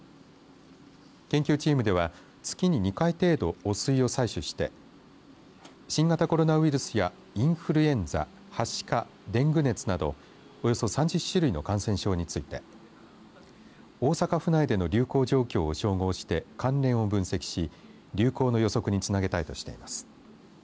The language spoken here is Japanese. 研究チームでは月に２回程度汚水を採取して新型コロナウイルスやインフルエンザはしか、デング熱などおよそ３０種類の感染症について大阪府内での流行状況を照合して関連を分析し、流行の予測につなげたいとしています。